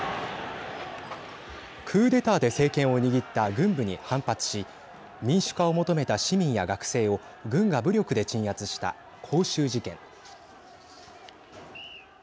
クーデターで政権を握った軍部に反発し民主化を求めた市民や学生を軍が武力で鎮圧した光州事件。